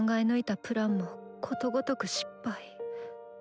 抜いたプランもことごとく失敗。